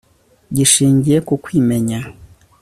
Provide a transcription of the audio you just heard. gishingiye kukwimenya